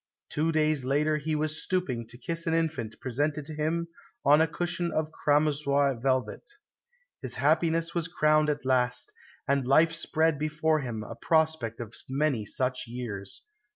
Two days later he was stooping to kiss an infant presented to him on a cushion of cramoisi velvet. His happiness was crowned at last, and life spread before him a prospect of many such years.